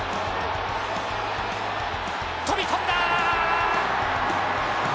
飛び込んだ！